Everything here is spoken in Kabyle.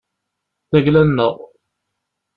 D ayla-nneɣ.